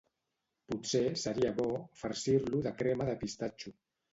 potser seria bo farcir-lo de crema de pistatxo